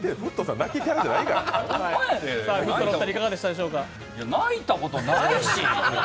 泣いたことないし。